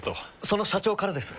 その社長からです。